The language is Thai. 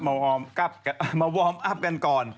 มาวอร์มอัพกันก่อน